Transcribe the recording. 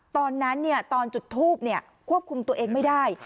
ตอนนั้นตอนจุดทูบควบคุมตัวเองไม่ได้